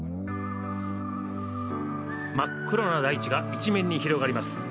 真っ黒な大地が一面に広がります。